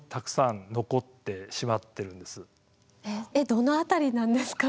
どの辺りなんですか？